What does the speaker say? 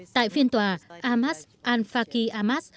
tại phiên tòa ahmad al faqih ahmad